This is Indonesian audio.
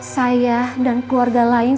saya dan keluarga lain